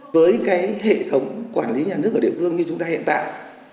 với cái hệ thống quản lý nhà nước ở địa phương như chúng ta hiện tại